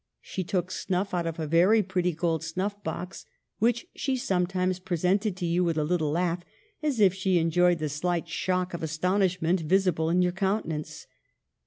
She took snuff out of a very pretty gold snuff box, which she sometimes presented to you with a little laugh, as if she enjoyed the slight shock of astonishment visible in your countenance.